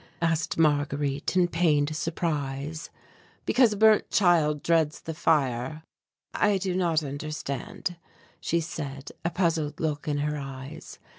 asked Marguerite in pained surprise. "Because a burnt child dreads the fire." "I do not understand," she said, a puzzled look in her eyes.